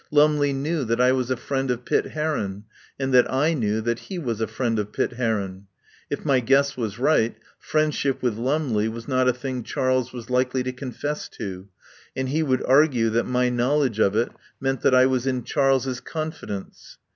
Lumley knew that I was a friend of Pitt Heron, and that I knew that he was a friend of Pitt Heron. If my guess was right, friend ship with Lumley was not a thing Charles was likely to confess to, and he would argue that my knowledge of it meant that I was in Charles's confidence.